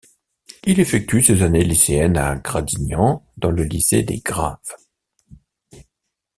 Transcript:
Il effectue ses années lycéennes à Gradignan dans le lycée des Graves.